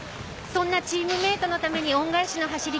そんなチームメートのために恩返しの走り